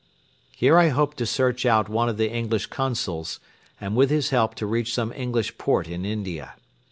Here I hoped to search out one of the English Consuls and with his help to reach some English port in India.